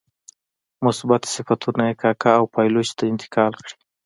مثبت صفتونه یې کاکه او پایلوچ ته انتقال کړي.